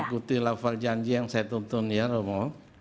ikuti lafar janji yang saya tuntun ya romo